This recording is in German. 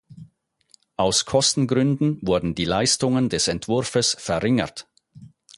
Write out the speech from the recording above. Aus Kostengründen wurden die Leistungen des Entwurfes verringert.